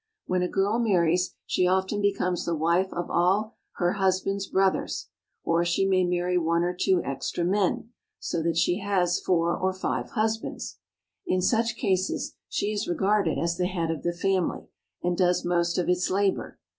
When a girl marries, she often becomes the wife of all her husband's brothers, or she may marry one or two extra men, so that she has four or five hus bands. In such cases she is regarded as the head of the family, and does most of its labor.